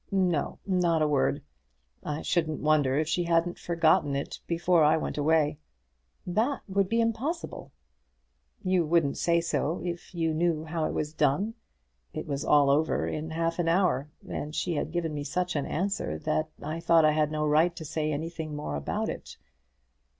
"No; not a word. I shouldn't wonder if she hadn't forgotten it before I went away." "That would be impossible." "You wouldn't say so if you knew how it was done. It was all over in half an hour; and she had given me such an answer that I thought I had no right to say anything more about it.